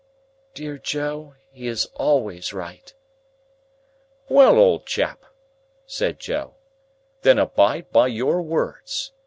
"Dear Joe, he is always right." "Well, old chap," said Joe, "then abide by your words.